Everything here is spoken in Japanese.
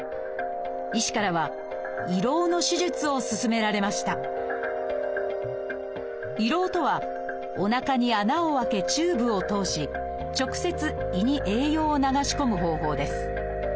医師からは胃ろうの手術を勧められました「胃ろう」とはおなかに穴を開けチューブを通し直接胃に栄養を流し込む方法です